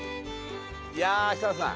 いやあ設楽さん